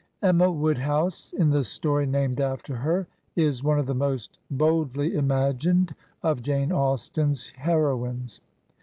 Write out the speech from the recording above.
Emma Woodhouse, in the story named after her, is one of the most boldly imagined of Jane Austen's hero ines.